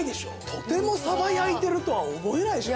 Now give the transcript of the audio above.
とてもサバ焼いてるとは思えないでしょ？